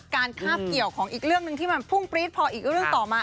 คาบเกี่ยวของอีกเรื่องหนึ่งที่มันพุ่งปรี๊ดพออีกเรื่องต่อมา